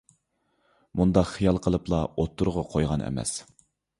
مۇنداق خىيال قىلىپلا ئوتتۇرىغا قويغان ئەمەس.